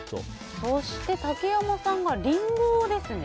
そして、竹山さんがリンゴですね。